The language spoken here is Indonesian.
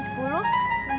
beuh itu udah kelamaan